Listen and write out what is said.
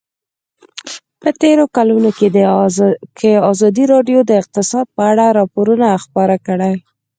په تېرو کلونو کې ازادي راډیو د اقتصاد په اړه راپورونه خپاره کړي دي.